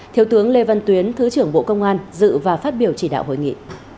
thiếu tướng lê văn tuyến thứ trưởng bộ công an dự và phát biểu chỉ đạo hội nghị